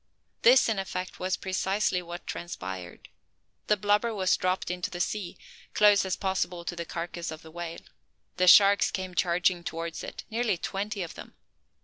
This in effect was precisely what transpired. The blubber was dropped into the sea, close as possible to the carcass of the whale, the sharks came charging towards it, nearly twenty of them.